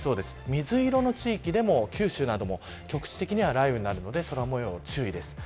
水色の地域でも九州など局地的に雷雨になるので空模様注意です。